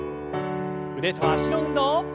腕と脚の運動。